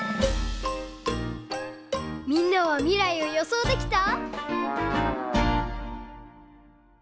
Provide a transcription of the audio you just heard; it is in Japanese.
みんなは未来をよそうできた？